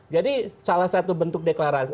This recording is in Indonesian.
jadi salah satu bentuk deklarasi